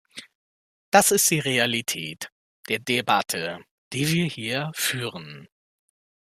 Das ist die Realität der Debatte, die wir hier führen.